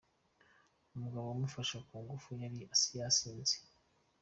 Umugabo wamufashe ku ngufu yari yasinze.